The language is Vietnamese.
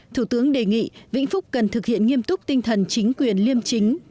thủ tướng đề nghị vĩnh phúc cần thực hiện nghiêm túc tinh thần chính quyền liêm chính